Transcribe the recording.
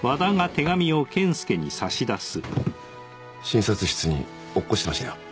診察室に落っこちてましたよ。